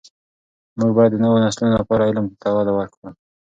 موږ باید د نوو نسلونو لپاره علم ته وده ورکړو.